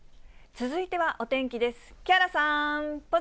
続いてはお天気です。